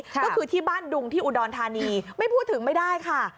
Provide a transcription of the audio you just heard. ก็คือที่บ้านดุงที่อุดรธานีไม่พูดถึงไม่ได้ค่ะ